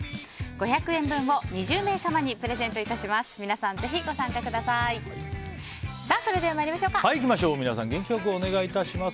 ５００円分を２０名様にプレゼントいたします。